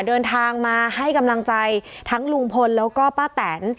เดินทางมาให้กำลังใจทั้งลุงพลแล้วก็ป้าแตน